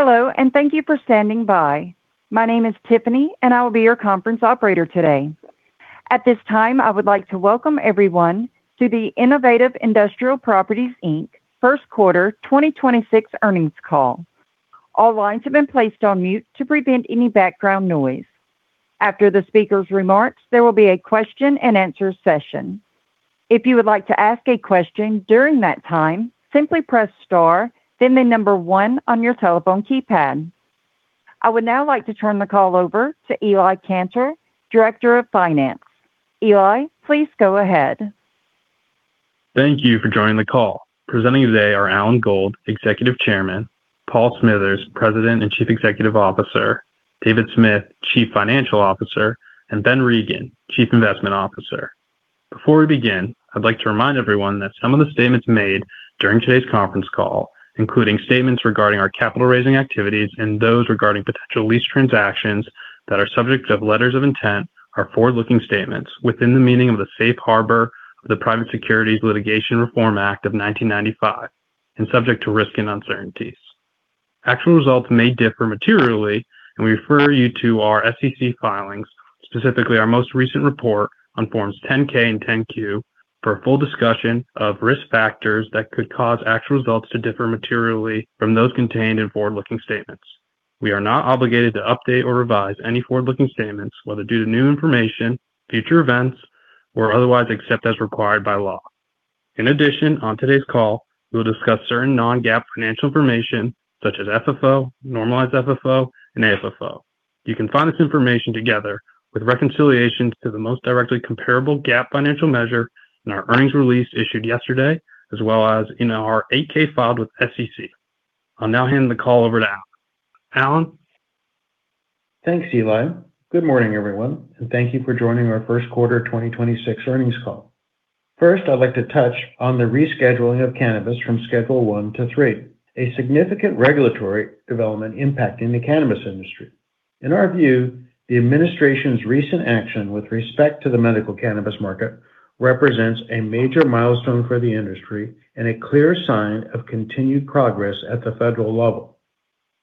Hello, and thank you for standing by. My name is Tiffany, and I will be your conference operator today. At this time, I would like to welcome everyone to the Innovative Industrial Properties, Inc. First quarter 2026 earnings call. All lines have been placed on mute to prevent any background noise. After the speaker's remarks, there will be a question-and-answer session. If you would like to ask a question during that time, simply press star, then the number one on your telephone keypad. I would now like to turn the call over to Eli Kanter, Director of Finance. Eli, please go ahead. Thank you for joining the call. Presenting today are Alan Gold, Executive Chairman, Paul Smithers, President and Chief Executive Officer, David Smith, Chief Financial Officer, and Ben Regin, Chief Investment Officer. Before we begin, I'd like to remind everyone that some of the statements made during today's conference call, including statements regarding our capital raising activities and those regarding potential lease transactions that are subject of letters of intent, are forward-looking statements within the meaning of the Safe Harbor of the Private Securities Litigation Reform Act of 1995 and subject to risk and uncertainties. Actual results may differ materially, and we refer you to our SEC filings, specifically our most recent report on forms 10-K and 10-Q for a full discussion of risk factors that could cause actual results to differ materially from those contained in forward-looking statements. We are not obligated to update or revise any forward-looking statements, whether due to new information, future events, or otherwise, except as required by law. In addition, on today's call, we'll discuss certain non-GAAP financial information, such as FFO, normalized FFO, and AFFO. You can find this information together with reconciliation to the most directly comparable GAAP financial measure in our earnings release issued yesterday, as well as in our 8-K filed with SEC. I'll now hand the call over to Alan. Alan? Thanks, Eli. Good morning, everyone, and thank you for joining our first quarter 2026 earnings call. First, I'd like to touch on the rescheduling of cannabis from Schedule I to Schedule III, a significant regulatory development impacting the cannabis industry. In our view, the administration's recent action with respect to the medical cannabis market represents a major milestone for the industry and a clear sign of continued progress at the federal level.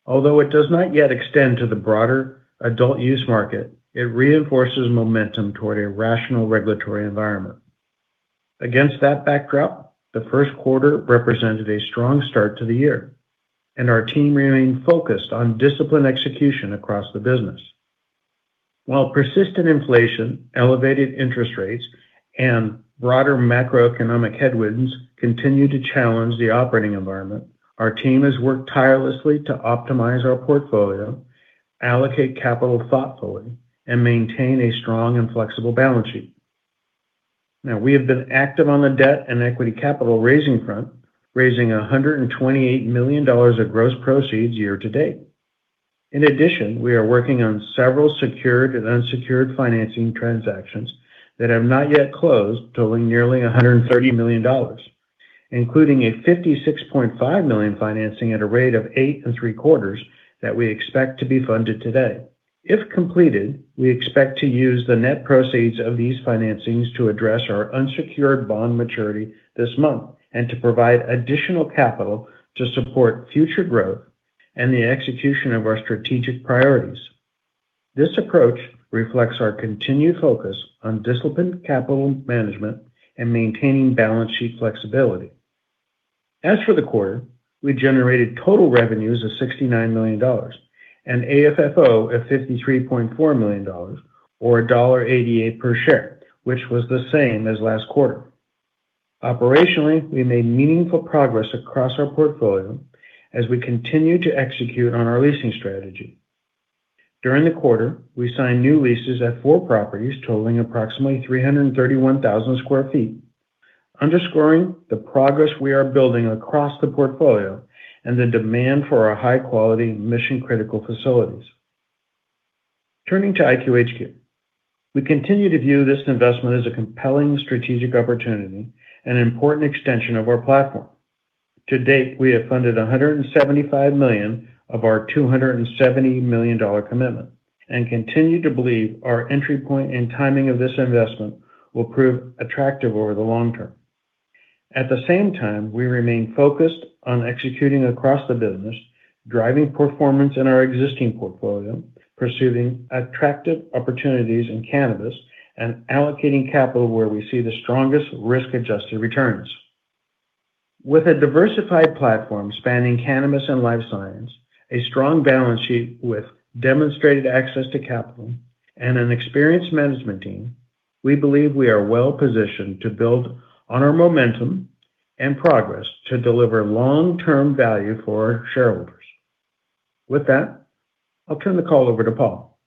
Although it does not yet extend to the broader adult use market, it reinforces momentum toward a rational regulatory environment. Against that backdrop, the first quarter represented a strong start to the year, and our team remained focused on disciplined execution across the business. While persistent inflation, elevated interest rates, and broader macroeconomic headwinds continue to challenge the operating environment, our team has worked tirelessly to optimize our portfolio, allocate capital thoughtfully, and maintain a strong and flexible balance sheet. We have been active on the debt and equity capital raising front, raising $128 million of gross proceeds year to date. In addition, we are working on several secured and unsecured financing transactions that have not yet closed, totaling nearly $130 million, including a $56.5 million financing at a rate of 8.75% that we expect to be funded today. If completed, we expect to use the net proceeds of these financings to address our unsecured bond maturity this month and to provide additional capital to support future growth and the execution of our strategic priorities. This approach reflects our continued focus on disciplined capital management and maintaining balance sheet flexibility. As for the quarter, we generated total revenues of $69 million and AFFO of $53.4 million or $1.88 per share, which was the same as last quarter. Operationally, we made meaningful progress across our portfolio as we continue to execute on our leasing strategy. During the quarter, we signed new leases at four properties totaling approximately 331,000 sq ft, underscoring the progress we are building across the portfolio and the demand for our high-quality mission-critical facilities. Turning to IQHQ, we continue to view this investment as a compelling strategic opportunity and an important extension of our platform. To date, we have funded $175 million of our $270 million commitment and continue to believe our entry point and timing of this investment will prove attractive over the long term. At the same time, we remain focused on executing across the business, driving performance in our existing portfolio, pursuing attractive opportunities in cannabis, and allocating capital where we see the strongest risk-adjusted returns. With a diversified platform spanning cannabis and life science, a strong balance sheet with demonstrated access to capital, and an experienced management team, we believe we are well-positioned to build on our momentum and progress to deliver long-term value for shareholders. With that, I'll turn the call over to Paul.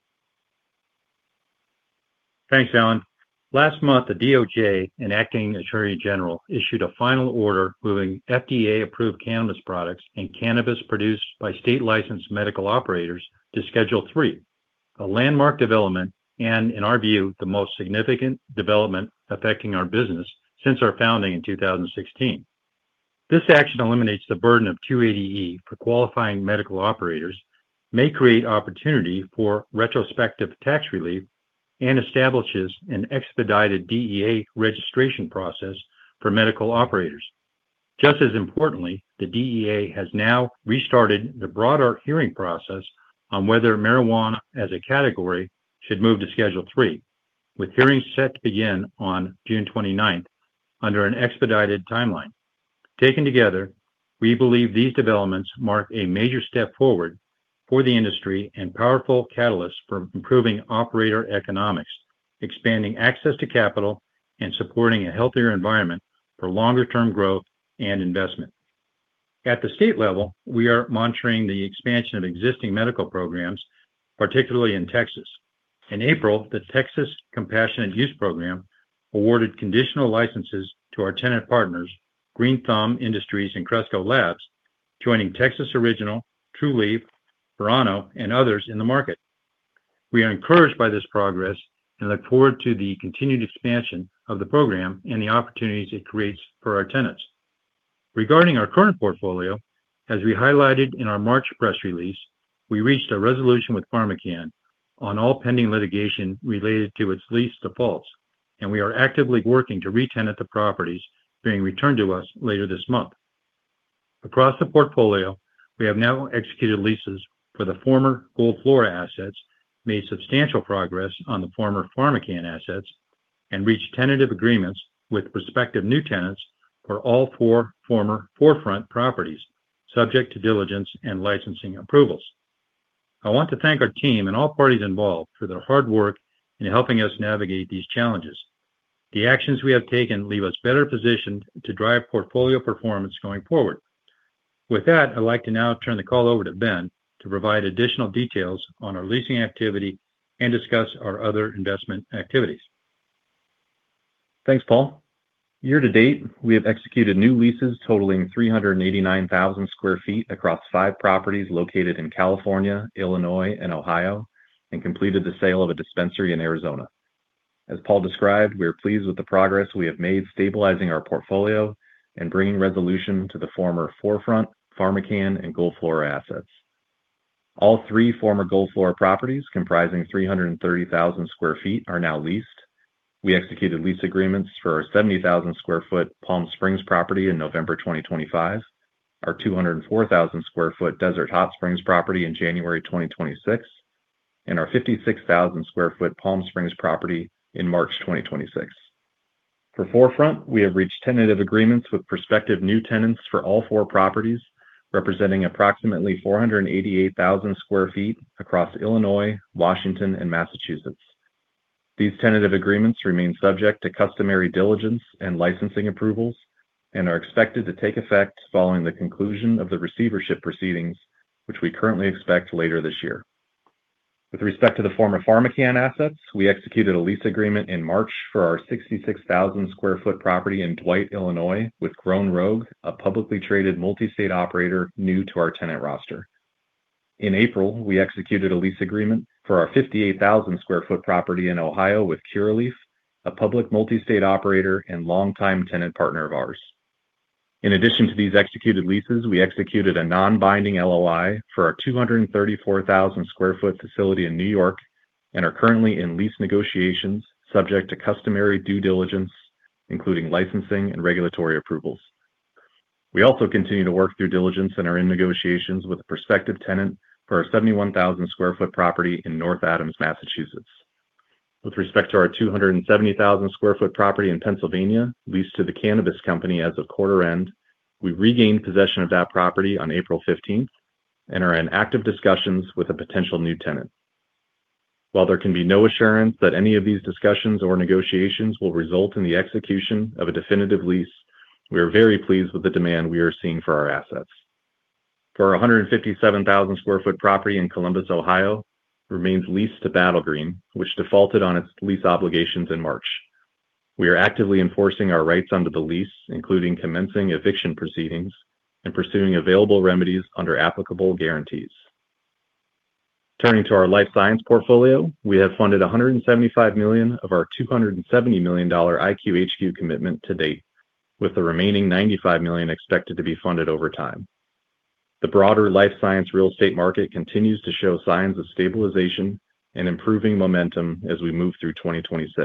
Thanks, Alan. Last month, the DOJ and acting attorney general issued a final order moving FDA-approved cannabis products and cannabis produced by state-licensed medical operators to Schedule III, a landmark development and, in our view, the most significant development affecting our business since our founding in 2016. This action eliminates the burden of Section 280E for qualifying medical operators May create opportunity for retrospective tax relief and establishes an expedited DEA registration process for medical operators. Just as importantly, the DEA has now restarted the broader hearing process on whether marijuana as a category should move to Schedule III, with hearings set to begin on June 29th under an expedited timeline. Taken together, we believe these developments mark a major step forward for the industry and powerful catalysts for improving operator economics, expanding access to capital, and supporting a healthier environment for longer-term growth and investment. At the state level, we are monitoring the expansion of existing medical programs, particularly in Texas. In April, the Texas Compassionate Use Program awarded conditional licenses to our tenant partners, Green Thumb Industries and Cresco Labs, joining Texas Original, Trulieve, Verano, and others in the market. We are encouraged by this progress and look forward to the continued expansion of the program and the opportunities it creates for our tenants. Regarding our current portfolio, as we highlighted in our March press release, we reached a resolution with PharmaCann on all pending litigation related to its lease defaults, and we are actively working to re-tenant the properties being returned to us later this month. Across the portfolio, we have now executed leases for the former Gold Flora assets, made substantial progress on the former PharmaCann assets, and reached tentative agreements with prospective new tenants for all four former 4Front properties, subject to diligence and licensing approvals. I want to thank our team and all parties involved for their hard work in helping us navigate these challenges. The actions we have taken leave us better positioned to drive portfolio performance going forward. With that, I'd like to now turn the call over to Ben to provide additional details on our leasing activity and discuss our other investment activities. Thanks, Paul. Year to date, we have executed new leases totaling 389,000 sq ft across five properties located in California, Illinois, and Ohio, and completed the sale of a dispensary in Arizona. As Paul described, we are pleased with the progress we have made stabilizing our portfolio and bringing resolution to the former 4Front, PharmaCann, and Gold Flora assets. All three former Gold Flora properties, comprising 330,000 sq ft, are now leased. We executed lease agreements for our 70,000 sq ft Palm Springs property in November 2025, our 204,000 sq ft Desert Hot Springs property in January 2026, and our 56,000 sq ft Palm Springs property in March 2026. For 4Front, we have reached tentative agreements with prospective new tenants for all four properties, representing approximately 488,000 sq ft across Illinois, Washington, and Massachusetts. These tentative agreements remain subject to customary diligence and licensing approvals and are expected to take effect following the conclusion of the receivership proceedings, which we currently expect later this year. With respect to the former PharmaCann assets, we executed a lease agreement in March for our 66,000 sq ft property in Dwight, Illinois, with Grown Rogue, a publicly traded multi-state operator new to our tenant roster. In April, we executed a lease agreement for our 58,000 sq ft property in Ohio with Curaleaf, a public multi-state operator and longtime tenant partner of ours. In addition to these executed leases, we executed a non-binding LOI for our 234,000 square foot facility in N.Y. and are currently in lease negotiations subject to customary due diligence, including licensing and regulatory approvals. We also continue to work through diligence and are in negotiations with a prospective tenant for our 71,000 square foot property in North Adams, Massachusetts. With respect to our 270,000 square foot property in Pennsylvania, leased to the cannabis company as of quarter end, we regained possession of that property on April 15th and are in active discussions with a potential new tenant. While there can be no assurance that any of these discussions or negotiations will result in the execution of a definitive lease, we are very pleased with the demand we are seeing for our assets. For our 157,000 sq ft property in Columbus, Ohio, remains leased to Battle Green, which defaulted on its lease obligations in March. We are actively enforcing our rights under the lease, including commencing eviction proceedings and pursuing available remedies under applicable guarantees. Turning to our life science portfolio, we have funded $175 million of our $270 million IQHQ commitment to date, with the remaining $95 million expected to be funded over time. The broader life science real estate market continues to show signs of stabilization and improving momentum as we move through 2026.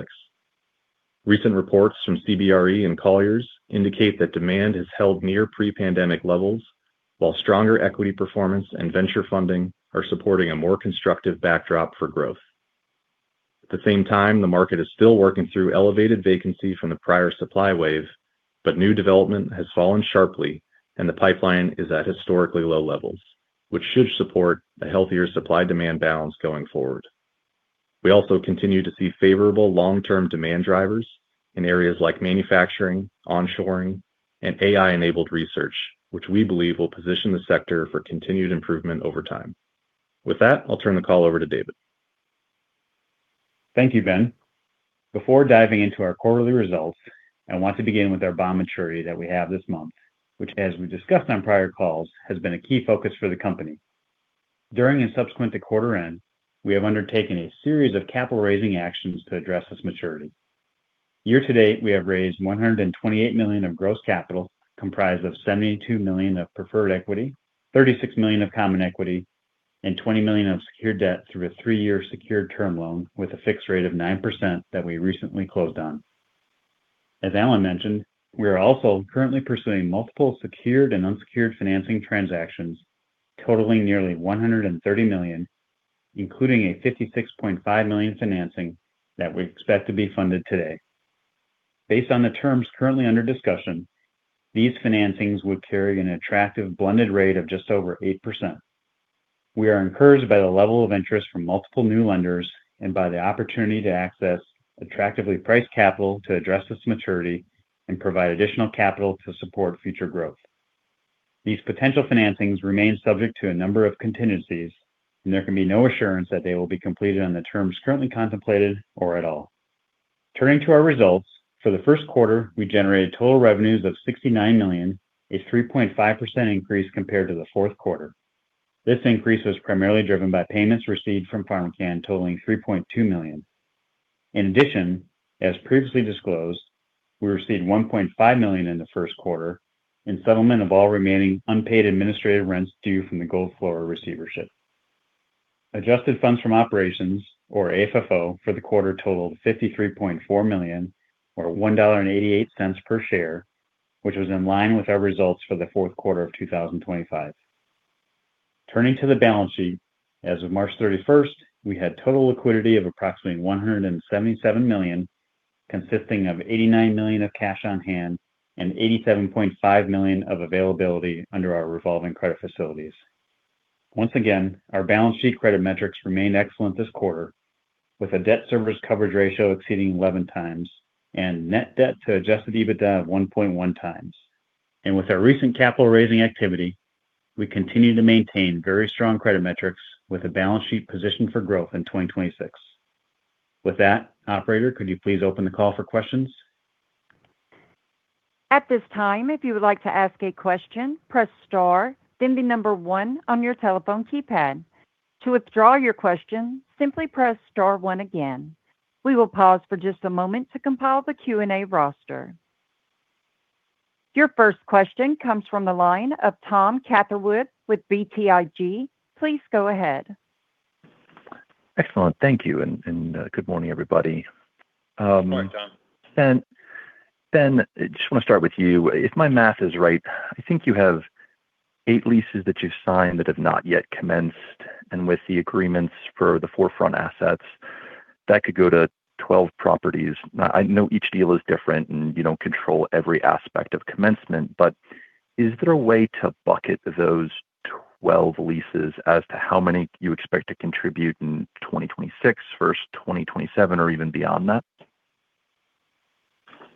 Recent reports from CBRE and Colliers indicate that demand has held near pre-pandemic levels, while stronger equity performance and venture funding are supporting a more constructive backdrop for growth. At the same time, the market is still working through elevated vacancy from the prior supply wave, but new development has fallen sharply, and the pipeline is at historically low levels, which should support a healthier supply-demand balance going forward. We also continue to see favorable long-term demand drivers in areas like manufacturing, onshoring, and AI-enabled research, which we believe will position the sector for continued improvement over time. With that, I'll turn the call over to David. Thank you, Ben. Before diving into our quarterly results, I want to begin with our bond maturity that we have this month, which, as we discussed on prior calls, has been a key focus for the company. During and subsequent to quarter end, we have undertaken a series of capital-raising actions to address this maturity. Year to date, we have raised $128 million of gross capital, comprised of $72 million of preferred equity, $36 million of common equity, and $20 million of secured debt through a three-year secured term loan with a fixed rate of 9% that we recently closed on. As Alan mentioned, we are also currently pursuing multiple secured and unsecured financing transactions totaling nearly $130 million, including a $56.5 million financing that we expect to be funded today. Based on the terms currently under discussion, these financings would carry an attractive blended rate of just over 8%. We are encouraged by the level of interest from multiple new lenders and by the opportunity to access attractively priced capital to address this maturity and provide additional capital to support future growth. These potential financings remain subject to a number of contingencies, and there can be no assurance that they will be completed on the terms currently contemplated or at all. Turning to our results, for the first quarter, we generated total revenues of $69 million, a 3.5% increase compared to the fourth quarter. This increase was primarily driven by payments received from PharmaCann totaling $3.2 million. In addition, as previously disclosed, we received $1.5 million in the first quarter in settlement of all remaining unpaid administrative rents due from the Gold Flora receivership. Adjusted funds from operations, or AFFO, for the quarter totaled $53.4 million, or $1.88 per share, which was in line with our results for the fourth quarter of 2025. Turning to the balance sheet, as of March 31st, we had total liquidity of approximately $177 million, consisting of $89 million of cash on hand and $87.5 million of availability under our revolving credit facilities. Once again, our balance sheet credit metrics remained excellent this quarter, with a debt service coverage ratio exceeding 11x and net debt to Adjusted EBITDA of 1.1x. With our recent capital raising activity, we continue to maintain very strong credit metrics with a balance sheet positioned for growth in 2026. With that, operator, could you please open the call for questions? Your first question comes from the line of Thomas Catherwood with BTIG. Please go ahead. Excellent. Thank you, and good morning, everybody. Good morning, Tom. Ben, I just want to start with you. If my math is right, I think you have eight leases that you've signed that have not yet commenced, and with the agreements for the 4Front assets, that could go to 12 properties. Now, I know each deal is different and you don't control every aspect of commencement, but is there a way to bucket those 12 leases as to how many you expect to contribute in 2026 versus 2027 or even beyond that?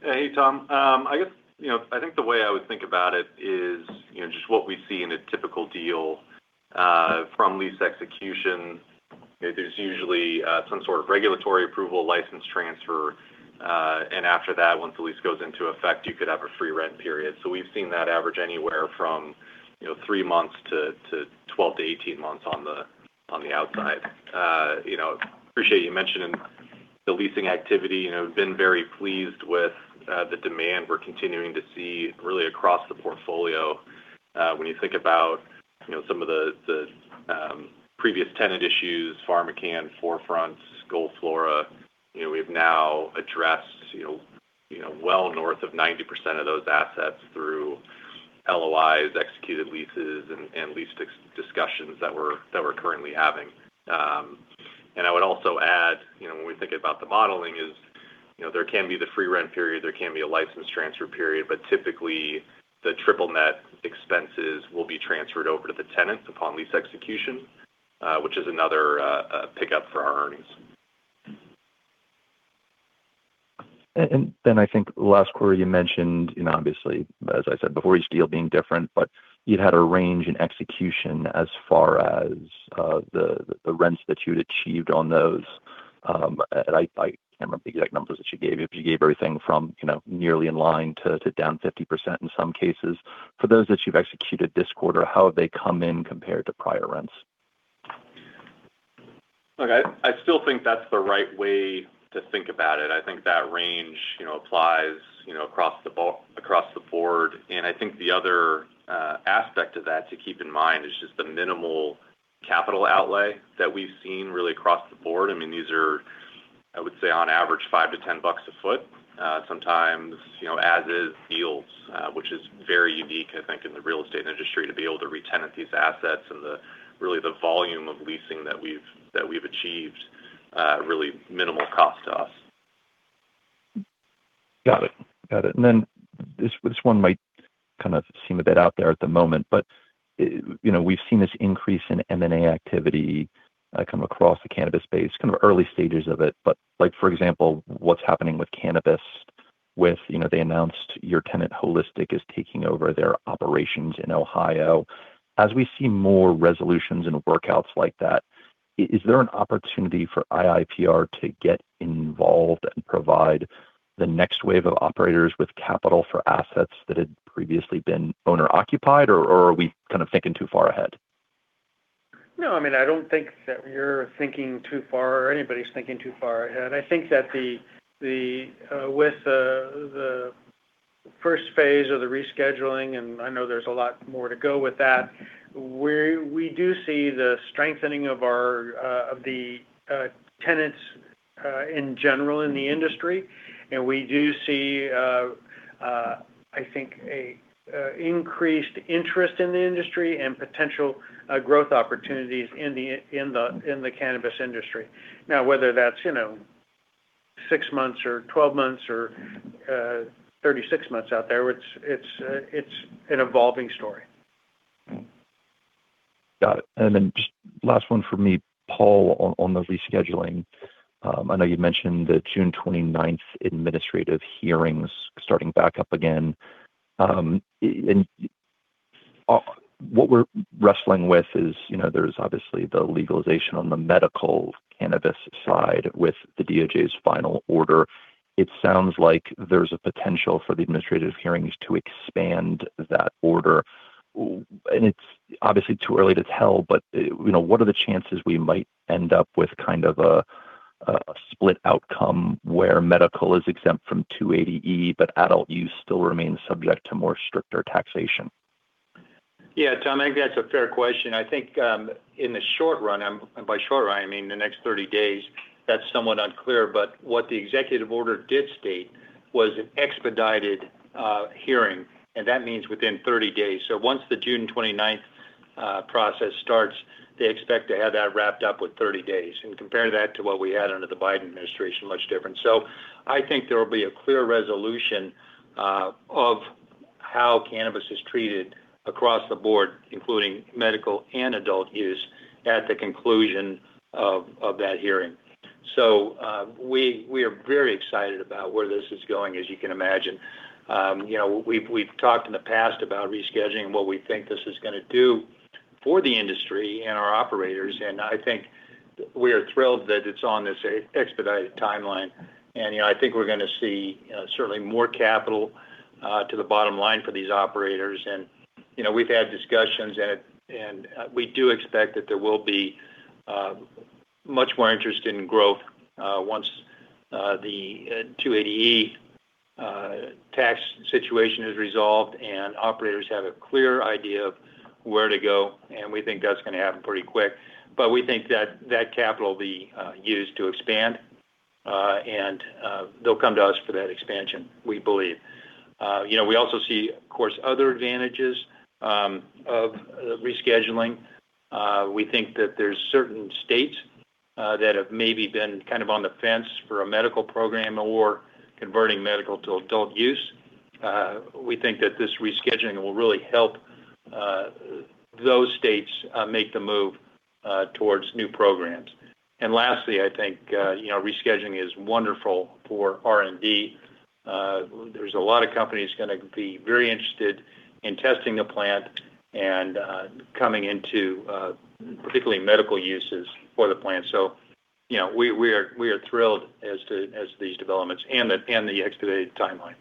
Hey, Tom. I guess, you know, I think the way I would think about it is, you know, just what we see in a typical deal from lease execution. There's usually some sort of regulatory approval, license transfer, and after that, once the lease goes into effect, you could have a free rent period. We've seen that average anywhere from, you know, three months to 12-18 months on the outside. You know, appreciate you mentioning the leasing activity. You know, we've been very pleased with the demand we're continuing to see really across the portfolio. When you think about, you know, some of the previous tenant issues, PharmaCann, 4Front, Gold Flora, you know, we've now addressed, you know, well north of 90% of those assets through LOIs, executed leases and lease discussions that we're currently having. I would also add, you know, when we think about the modeling is, you know, there can be the free rent period, there can be a license transfer period, but typically the triple net expenses will be transferred over to the tenants upon lease execution, which is another pickup for our earnings. Ben, I think last quarter you mentioned, you know, obviously, as I said before, each deal being different, but you'd had a range in execution as far as the rents that you'd achieved on those. I can't remember the exact numbers that you gave. You gave everything from, you know, nearly in line to down 50% in some cases. For those that you've executed this quarter, how have they come in compared to prior rents? Look, I still think that's the right way to think about it. I think that range, you know, applies, you know, across the board. I think the other aspect of that to keep in mind is just the minimal capital outlay that we've seen really across the board. I mean, these are, I would say, on average, $5-$10 a foot. Sometimes, you know, as is deals, which is very unique, I think, in the real estate industry to be able to retenant these assets and the really the volume of leasing that we've achieved, really minimal cost to us. Got it. Got it. This, this one might kind of seem a bit out there at the moment, but, you know, we've seen this increase in M&A activity, come across the cannabis space, kind of early stages of it. For example, what's happening with cannabis with, you know, they announced your tenant Holistic is taking over their operations in Ohio. As we see more resolutions and workouts like that, is there an opportunity for IIPR to get involved and provide the next wave of operators with capital for assets that had previously been owner-occupied, or are we kind of thinking too far ahead? No, I mean, I don't think that you're thinking too far, or anybody's thinking too far ahead. I think that the with the first phase of the rescheduling, and I know there's a lot more to go with that, we do see the strengthening of our of the tenants in general in the industry. We do see, I think a increased interest in the industry and potential growth opportunities in the cannabis industry. Now, whether that's, you know, six months or 12 months or 36 months out, there, it's an evolving story. Got it. Just last one for me, Paul, on the rescheduling. I know you mentioned the June 29th administrative hearings starting back up again. What we're wrestling with is, you know, there's obviously the legalization on the Medical cannabis side with the DOJ's final order. It sounds like there's a potential for the administrative hearings to expand that order. It's obviously too early to tell, but, you know, what are the chances we might end up with kind of a split outcome where Medical is exempt from Section 280E, but Adult use still remains subject to more stricter taxation? Yeah, Tom, I think that's a fair question. I think, in the short run, and by short run, I mean the next 30 days, that's somewhat unclear. What the executive order did state was an expedited hearing, and that means within 30 days. Once the June 29th process starts, they expect to have that wrapped up with 30 days. Compare that to what we had under the Biden administration, much different. I think there will be a clear resolution of how cannabis is treated across the board, including medical and adult use, at the conclusion of that hearing. We are very excited about where this is going, as you can imagine. You know, we've talked in the past about rescheduling what we think this is gonna do for the industry and our operators, I think we are thrilled that it's on this expedited timeline. You know, I think we're gonna see certainly more capital to the bottom line for these operators. You know, we've had discussions and we do expect that there will be much more interest in growth once the 280E tax situation is resolved and operators have a clear idea of where to go, and we think that's gonna happen pretty quick. We think that that capital will be used to expand and they'll come to us for that expansion, we believe. You know, we also see, of course, other advantages of rescheduling. We think that there's certain states that have maybe been kind of on the fence for a medical program or converting medical to adult use. We think that this rescheduling will really help those states make the move towards new programs. Lastly, I think, you know, rescheduling is wonderful for R&D. There's a lot of companies gonna be very interested in testing the plant and coming into particularly medical uses for the plant. You know, we are thrilled as to these developments and the expedited timeline.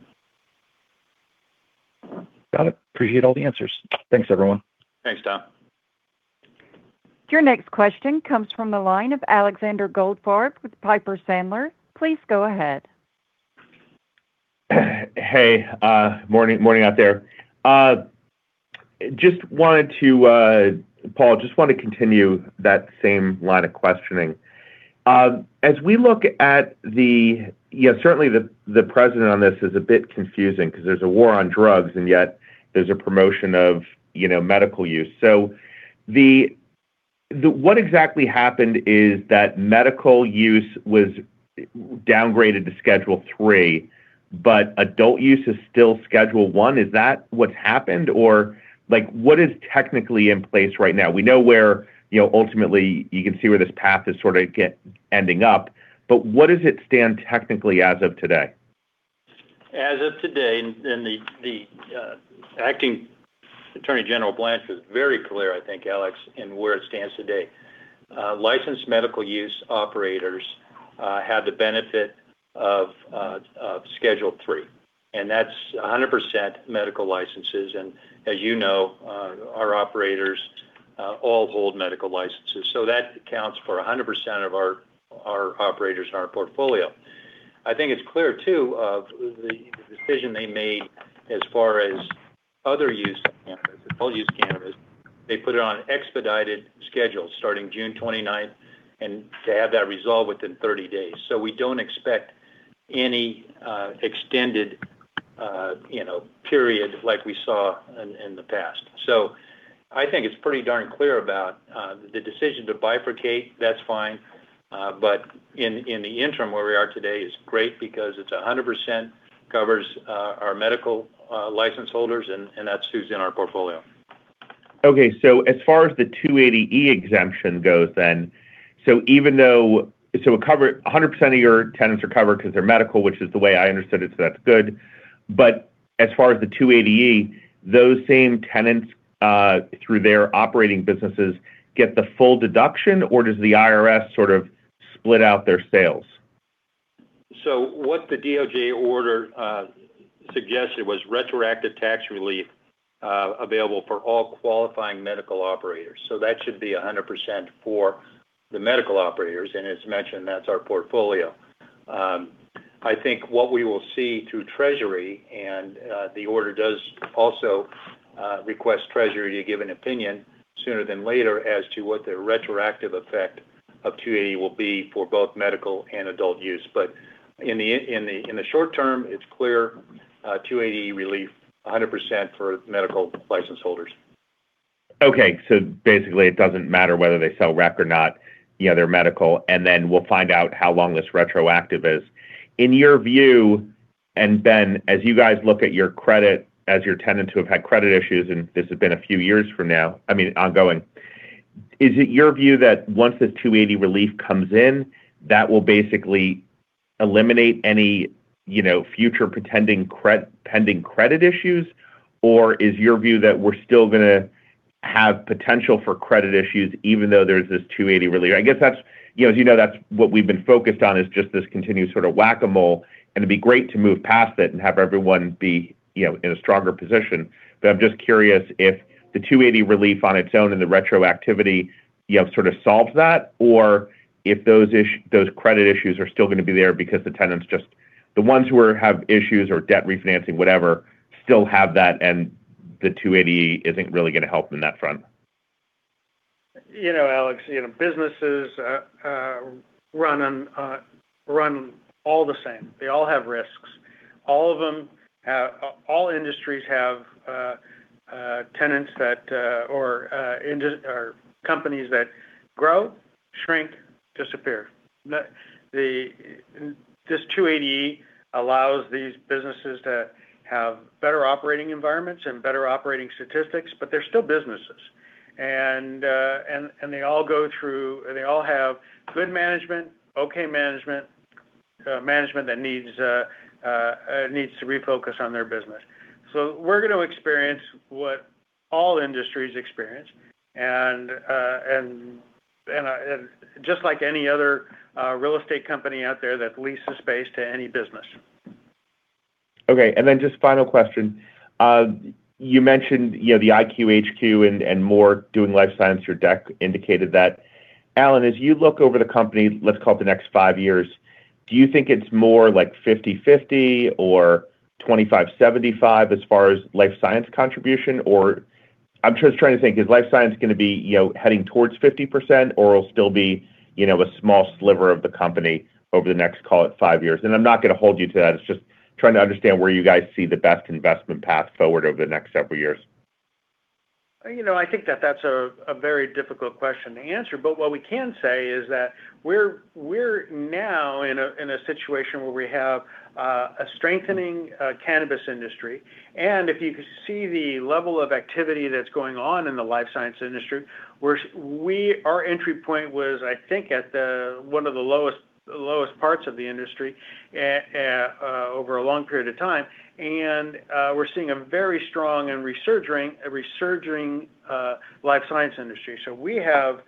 Got it. Appreciate all the answers. Thanks, everyone. Thanks, Tom. Your next question comes from the line of Alexander Goldfarb with Piper Sandler. Please go ahead. Hey, morning out there. Just wanted to, Paul, just want to continue that same line of questioning. As we look at the Yeah, certainly the president on this is a bit confusing because there's a war on drugs, yet there's a promotion of, you know, medical use. The what exactly happened is that medical use was downgraded to Schedule III, but adult use is still Schedule I. Is that what's happened? Or, like, what is technically in place right now? We know where, you know, ultimately you can see where this path is sort of ending up, but what does it stand technically as of today? As of today, the acting Attorney General Blanche was very clear, I think, Alex, in where it stands today. Licensed medical use operators have the benefit of Schedule III, and that's 100% medical licenses. As you know, our operators all hold medical licenses. That accounts for 100% of our operators in our portfolio. I think it's clear, too, of the decision they made as far as other use of cannabis, adult use cannabis. They put it on an expedited schedule starting June 29th, and to have that resolved within 30 days. We don't expect any extended, you know, period like we saw in the past. I think it's pretty darn clear about the decision to bifurcate, that's fine. In the interim, where we are today is great because it's 100% covers, our medical, license holders, and that's who's in our portfolio. Okay. As far as the 280E exemption goes then, so even though 100% of your tenants are covered because they're medical, which is the way I understood it, so that's good. As far as the 280E, those same tenants, through their operating businesses get the full deduction, or does the IRS sort of split out their sales? What the DOJ order suggested was retroactive tax relief available for all qualifying medical operators. That should be 100% for the medical operators. As mentioned, that's our portfolio. I think what we will see through Treasury, the order does also request Treasury to give an opinion sooner than later as to what the retroactive effect of Section 280E will be for both medical and adult use. In the short term, it's clear, Section 280E relief 100% for medical license holders. Basically, it doesn't matter whether they sell rec or not, you know, they're medical, and then we'll find out how long this retroactive is. In your view, Ben, as you guys look at your credit as your tenant to have had credit issues, and this has been a few years from now, I mean, ongoing. Is it your view that once the 280E relief comes in, that will basically eliminate any, you know, future pending credit issues? Is your view that we're still gonna have potential for credit issues even though there's this 280E relief? I guess that's You know, as you know, that's what we've been focused on, is just this continuous sort of whack-a-mole. It'd be great to move past it and have everyone be, you know, in a stronger position. I'm just curious if the 280E relief on its own and the retroactivity, you know, sort of solves that, or if those credit issues are still gonna be there because The ones who are, have issues or debt refinancing, whatever, still have that and the 280E isn't really gonna help in that front. You know, Alex, you know, businesses run on, run all the same. They all have risks. All of them have, all industries have tenants that or companies that grow, shrink, disappear. The this 280E allows these businesses to have better operating environments and better operating statistics. They're still businesses. They all go through, they all have good management, okay management that needs needs to refocus on their business. We're gonna experience what all industries experience and, just like any other real estate company out there that leases space to any business. Okay. Just final question. You mentioned, you know, the IQHQ and more doing life science. Your deck indicated that. Alan, as you look over the company, let's call it the next five years, do you think it's more like 50/50 or 25/75 as far as life science contribution? I'm just trying to think, is life science going to be, you know, heading towards 50% or it'll still be, you know, a small sliver of the company over the next, call it, five years? I'm not going to hold you to that. It's just trying to understand where you guys see the best investment path forward over the next several years. You know, I think that's a very difficult question to answer. What we can say is that we're now in a situation where we have a strengthening cannabis industry. If you could see the level of activity that's going on in the life science industry, our entry point was, I think, at one of the lowest parts of the industry over a long period of time. We're seeing a very strong and resurging life science industry. We have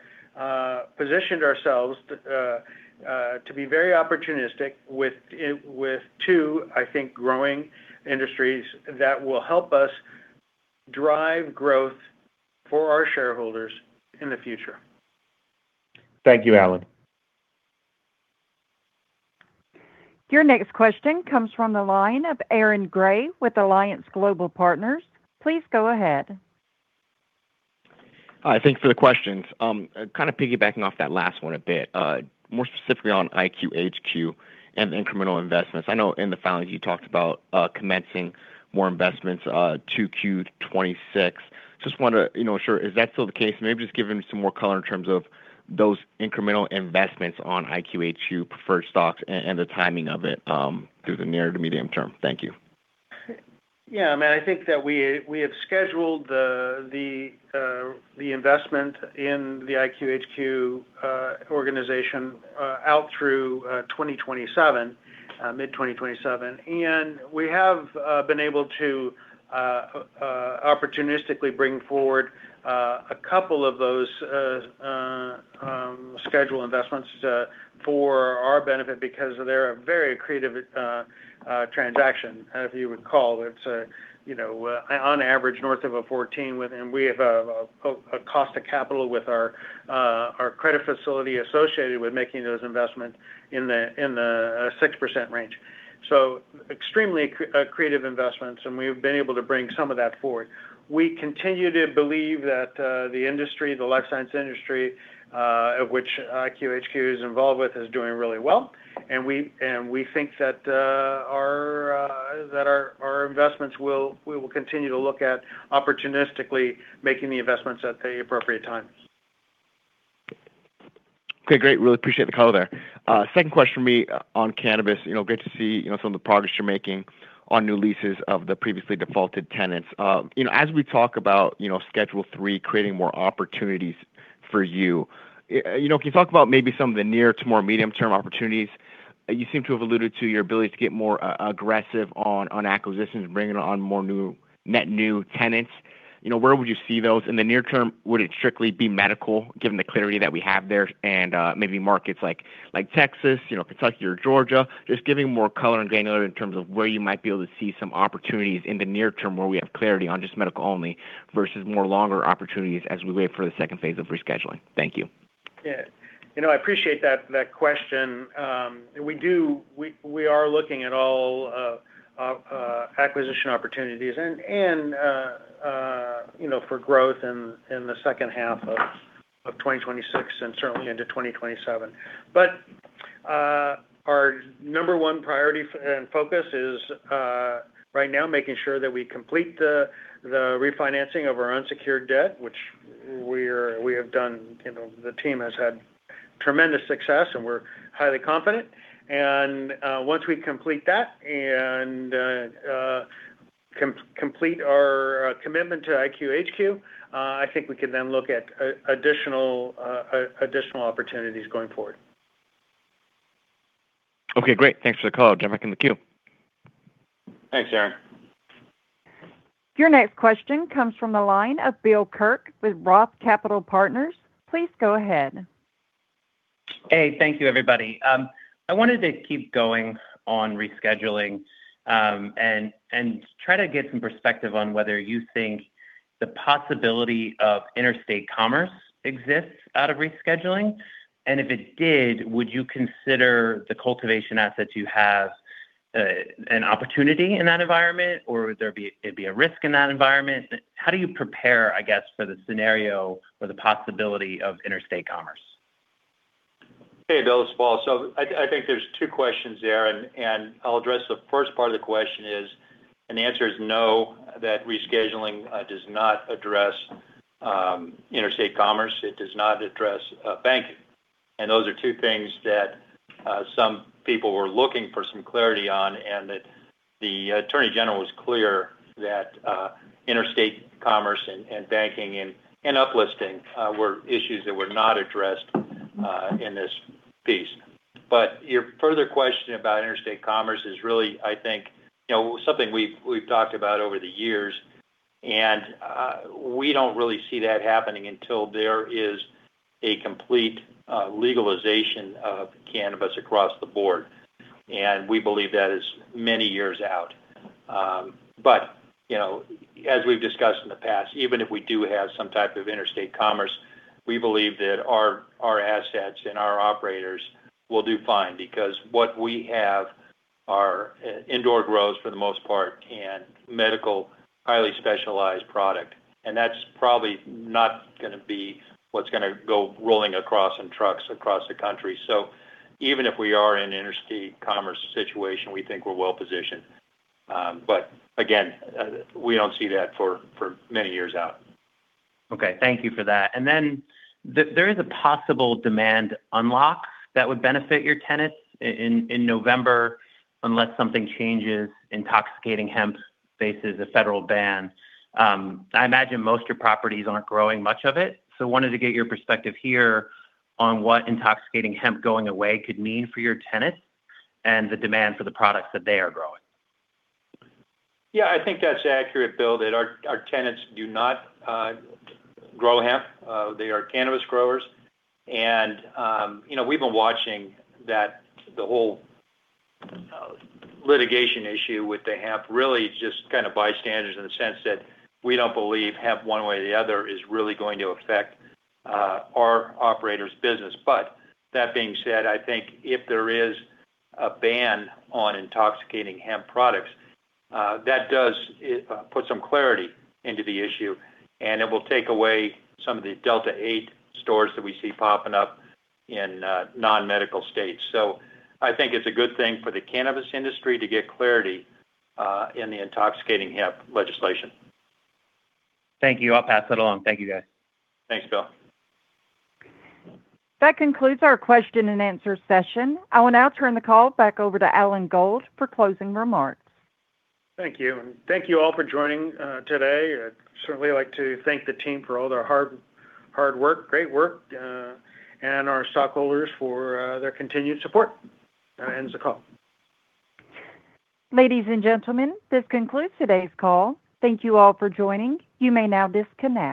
positioned ourselves to be very opportunistic with two, I think, growing industries that will help us drive growth for our shareholders in the future. Thank you, Alan. Your next question comes from the line of Aaron Grey with Alliance Global Partners. Please go ahead. Hi. Thanks for the questions. Kind of piggybacking off that last one a bit, more specifically on IQHQ and incremental investments. I know in the filings, you talked about commencing more investments, 2Q to 2026. Just wanted to, you know, sure is that still the case? Maybe just give me some more color in terms of those incremental investments on IQHQ preferred stocks and the timing of it through the near to medium term. Thank you. I mean, I think that we have scheduled the investment in the IQHQ organization out through 2027, mid-2027. We have been able to opportunistically bring forward a couple of those schedule investments for our benefit because they're a very creative transaction. If you recall, it's, you know, on average north of a 14 with we have a cost of capital with our credit facility associated with making those investments in the 6% range. Extremely creative investments, and we've been able to bring some of that forward. We continue to believe that the industry, the life science industry, of which IQHQ is involved with, is doing really well. We think that our investments will, we will continue to look at opportunistically making the investments at the appropriate time. Okay. Great. Really appreciate the color there. Second question from me on cannabis. You know, great to see, you know, some of the progress you're making on new leases of the previously defaulted tenants. You know, as we talk about, you know, Schedule III creating more opportunities for you know, can you talk about maybe some of the near to more medium-term opportunities? You seem to have alluded to your ability to get more aggressive on acquisitions and bringing on more new, net new tenants. You know, where would you see those? In the near term, would it strictly be medical, given the clarity that we have there and maybe markets like Texas, you know, Kentucky or Georgia? Just giving more color and granular in terms of where you might be able to see some opportunities in the near term where we have clarity on just medical only versus more longer opportunities as we wait for the second phase of rescheduling. Thank you. Yeah. You know, I appreciate that question. We are looking at all acquisition opportunities and, you know, for growth in the second half of 2026 and certainly into 2027. Our number one priority and focus is right now making sure that we complete the refinancing of our unsecured debt, which we have done, you know, the team has had tremendous success, and we're highly confident. Once we complete that and complete our commitment to IQHQ, I think we can then look at additional opportunities going forward. Okay, great. Thanks for the call. Back in the queue. Thanks, Aaron. Your next question comes from the line of William Kirk with Roth Capital Partners. Please go ahead. Hey, thank you, everybody. I wanted to keep going on rescheduling and try to get some perspective on whether you think the possibility of interstate commerce exists out of rescheduling. If it did, would you consider the cultivation assets you have an opportunity in that environment, or would it be a risk in that environment? How do you prepare, I guess, for the scenario or the possibility of interstate commerce? Hey, Bill, it's Paul. I think there's two questions there. I'll address the first part of the question. The answer is no, that rescheduling does not address interstate commerce. It does not address banking. Those are two things that some people were looking for some clarity on. The Attorney General was clear that interstate commerce, banking, and up-listing were issues that were not addressed in this piece. Your further question about interstate commerce is really, I think, you know, something we've talked about over the years. We don't really see that happening until there is a complete legalization of cannabis across the board. We believe that is many years out. You know, as we've discussed in the past, even if we do have some type of interstate commerce, we believe that our assets and our operators will do fine because what we have are indoor grows for the most part and medical highly specialized product. That's probably not gonna be what's gonna go rolling across in trucks across the country. Even if we are in interstate commerce situation, we think we're well-positioned. Again, we don't see that for many years out. Okay. Thank you for that. There is a possible demand unlock that would benefit your tenants in November unless something changes, intoxicating hemp faces a federal ban. I imagine most your properties aren't growing much of it. Wanted to get your perspective here on what intoxicating hemp going away could mean for your tenants and the demand for the products that they are growing. Yeah, I think that's accurate, Bill, that our tenants do not grow hemp. They are cannabis growers. You know, we've been watching the whole litigation issue with the hemp really just kind of bystanders in the sense that we don't believe hemp one way or the other is really going to affect our operators' business. That being said, I think if there is a ban on intoxicating hemp products, that does put some clarity into the issue, and it will take away some of the Delta-8 stores that we see popping up in non-medical states. I think it's a good thing for the cannabis industry to get clarity in the intoxicating hemp legislation. Thank you. I'll pass that along. Thank you, guys. Thanks, Bill. That concludes our question and answer session. I will now turn the call back over to Alan Gold for closing remarks. Thank you. Thank you all for joining today. I'd certainly like to thank the team for all their hard work, great work, and our stockholders for their continued support. That ends the call. Ladies and gentlemen, this concludes today's call. Thank you all for joining. You may now disconnect.